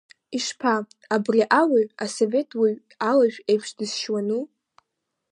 Ишԥа, абри ауаҩ, асовет уаҩы алажә еиԥш дысшьуану?